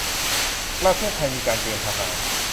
ประเทศไทยมีการเกณฑ์ทหาร